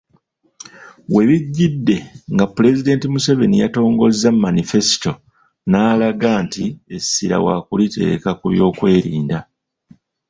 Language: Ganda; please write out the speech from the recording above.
We bijjidde nga Pulezidenti Museveni yatongozza Manifesito n'alaga nti essira waakuliteeka ku by'okwerinda.